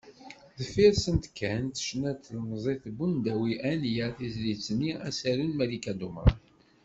Deffir-sent kan tecna-d tlemẓit Bundawi Anya, tizlit-nni “Asaru” n Malika Dumran.